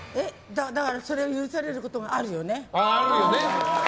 だから許されることもあるよね。